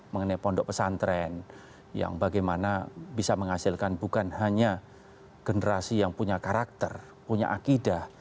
mengenai pondok pesantren yang bagaimana bisa menghasilkan bukan hanya generasi yang punya karakter punya akidah